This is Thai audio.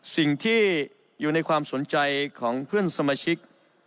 สิ่งที่อยู่ในความสนใจของเพื่อนสมาชิก